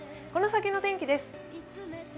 この先の天気です。